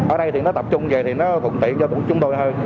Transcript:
ở đây thì nó tập trung về thì nó thuận tiện cho chúng tôi hơn